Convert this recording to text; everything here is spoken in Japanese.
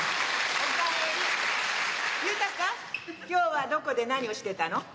今日はどこで何をしてたの？